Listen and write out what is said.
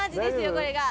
これが。